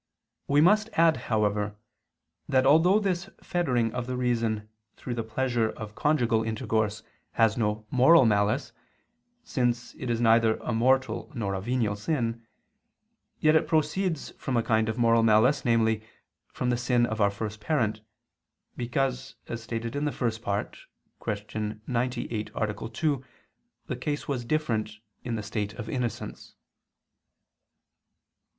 We must add, however, that although this fettering of the reason through the pleasure of conjugal intercourse has no moral malice, since it is neither a mortal nor a venial sin; yet it proceeds from a kind of moral malice, namely, from the sin of our first parent; because, as stated in the First Part (Q. 98, A. 2) the case was different in the state of innocence.